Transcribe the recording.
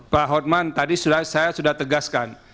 pak hotman tadi saya sudah tegaskan